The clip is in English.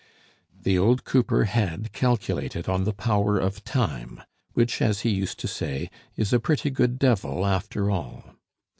The old cooper had calculated on the power of time, which, as he used to say, is a pretty good devil after all.